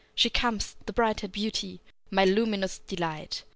She comes, the bright haired beauty, My luminous delight!